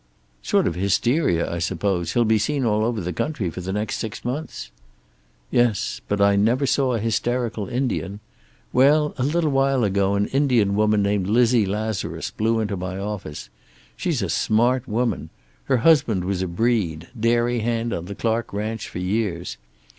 "Sort of hysteria, I suppose. He'll be seen all over the country for the next six months." "Yes. But I never saw a hysterical Indian. Well, a little while ago an Indian woman named Lizzie Lazarus blew into my office. She's a smart woman. Her husband was a breed, dairy hand on the Clark ranch for years.